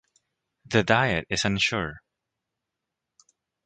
The diet is unsure.